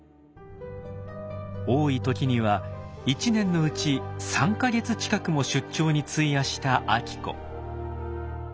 多い時には一年のうち３か月近くも出張に費やした晶子。